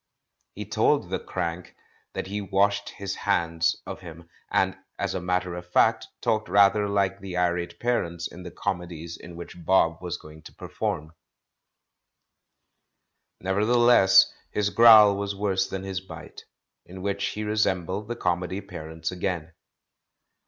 He told the crank that he washed his hands of him, and as a matter of fact talked rather like the irate parents in the comedies in which Bob Was going to perform. Nevertheless his growl was worse than his bite '— in which he resembled the comedy parents again.